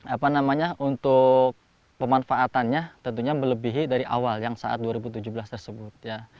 apa namanya untuk pemanfaatannya tentunya melebihi dari awal yang saat dua ribu tujuh belas tersebut ya